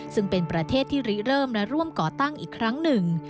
ซึ่งเป็นประเทศที่ริเริ่มและร่วมก่อตั้งอีกครั้งหนึ่ง